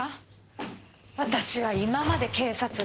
私は今まで警察に。